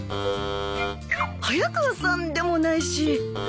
早川さんでもないし。